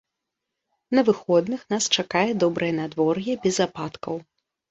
На выходных нас чакае добрае надвор'е без ападкаў.